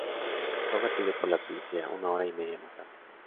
Fue abatido por la policía una hora y media más tarde.